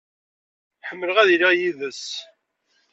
Ḥemmleɣ ad iliɣ yid-s.